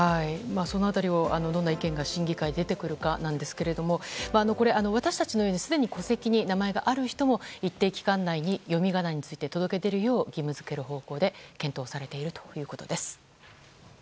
その辺りをどんな意見が審議会で出てくるかなんですけど私たちのようにすでに戸籍に名前がある人も一定期間内に読み仮名について届け出るよう義務付ける方向で検討されているということです。